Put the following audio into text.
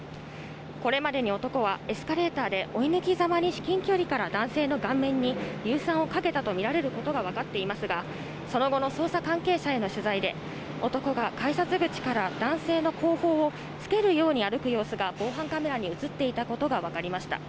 これまでに男は、エスカレーターで追い抜きざまに至近距離から男性の顔面に硫酸をかけたと見られることが分かっていますが、その後の捜査関係者への取材で、男が改札口から男性の後方をつけるように歩く様子が防犯カメラに写っていたことが分かりました。